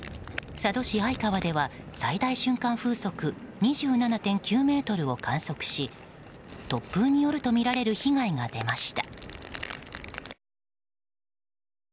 佐渡市相川では最大瞬間風速２７．９メートルを観測し、突風によるとみられる被害が出ました。